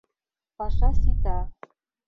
Паша сита.